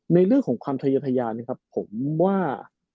ในเรื่องของความทะยาทะยานนะครับผมว่า